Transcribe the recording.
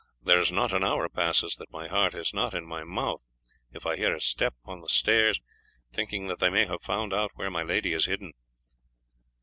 There is not an hour passes that my heart is not in my mouth if I hear a step on the stairs, thinking that they may have found out where my lady is hidden."